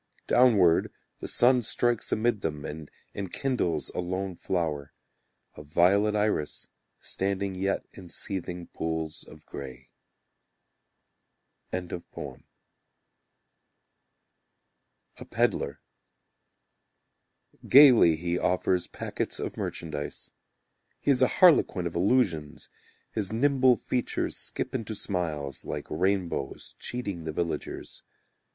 Downward the sun strikes amid them And enkindles a lone flower; A violet iris standing yet in seething pools of grey. A Pedlar Gaily he offers Packets of merchandise. He is a harlequin of illusions, His nimble features Skip into smiles, like rainbows, Cheating the villagers.